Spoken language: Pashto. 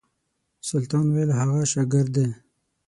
سلطان ویل هغه شاګرد دی.